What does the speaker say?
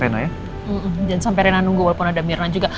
jangan sampai rena nunggu walaupun ada mirna juga